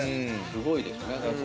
すごいですね。